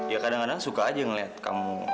ya kadang kadang suka aja ngeliat kamu